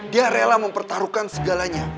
dia rela mempertaruhkan segalanya